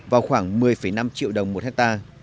vào khoảng một mươi năm triệu đồng một ha